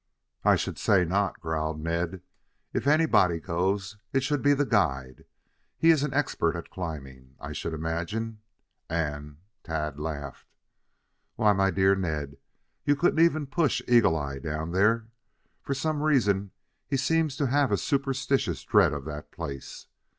"I should say not," growled Ned. "If anybody goes it should be the guide. He is an expert at climbing, I should imagine, and " Tad laughed. "Why, my dear Ned, you couldn't even push Eagle eye down there. For some reason he seems to have a superstitious dread of that place.